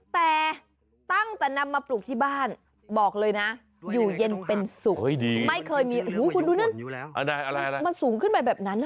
แต่ตั้งแต่นำมาปลูกที่บ้านบอกเลยนะอยู่เย็นเป็นสุขไม่เคยมีคุณดูนะมันสูงขึ้นไปแบบนั้น